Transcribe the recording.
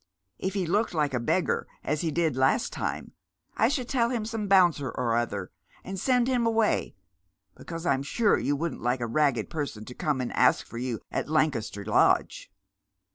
If he looked like a beggar, as he did last time, I should tell him some bouncer or other, and send him away, because I'm sure you wouldn't like a ragged person to come and ask for you at Lan caster Lodge."